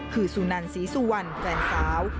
คือสุนันศรีสุวรรณแฟนสาว